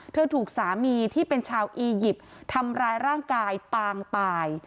ถูกสามีที่เป็นชาวอียิปต์ทำร้ายร่างกายปางตาย